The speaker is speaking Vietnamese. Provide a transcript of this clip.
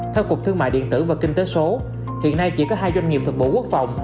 theo cục thương mại điện tử và kinh tế số hiện nay chỉ có hai doanh nghiệp thuộc bộ quốc phòng